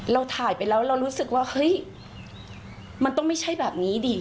เราถ่ายไปแล้วเรารู้สึกว่าเฮ้ยมันต้องไม่ใช่แบบนี้ดิ